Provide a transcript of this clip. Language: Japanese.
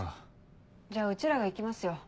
じゃあうちらが行きますよ。